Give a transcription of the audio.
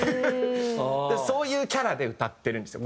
そういうキャラで歌ってるんですよ